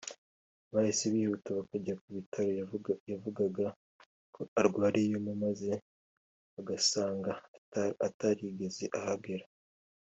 bahise bihuta bakajya ku bitaro yavugaga ko arwariyemo maze bagasanga atarigeze ahagera